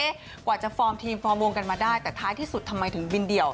กว่าจะฟอร์มทีมฟอร์มวงกันมาได้แต่ท้ายที่สุดทำไมถึงบินเดี่ยว